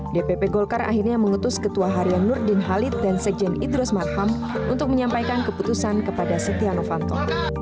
dpp golkar akhirnya mengutus ketua harian nur din halid dan sekjen idrus marham untuk menyampaikan keputusan kepada stiano fanto